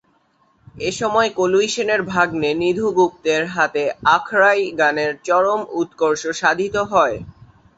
এ সময় কলুই সেনের ভাগ্নে নিধু গুপ্তের হাতে আখড়াই গানের চরম উৎকর্ষ সাধিত হয়।